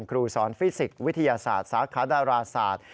ครูสอนฟิสิกส์วิทยาศาสตร์สาขาดาราศาสตร์